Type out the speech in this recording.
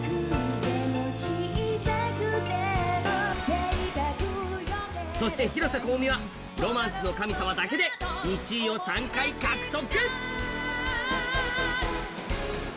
それがそして広瀬香美は「ロマンスの神様」だけで１位を３回獲得！